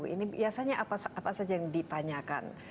ini biasanya apa saja yang ditanyakan